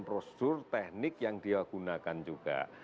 prosedur teknik yang dia gunakan juga